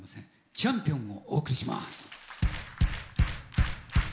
「チャンピオン」をお送りします。